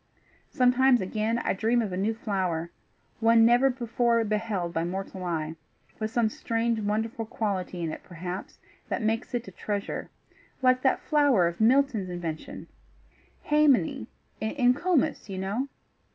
Sometimes, again, I dream of a new flower one never before beheld by mortal eye with some strange, wonderful quality in it, perhaps, that makes it a treasure, like that flower of Milton's invention haemony in Comus, you know.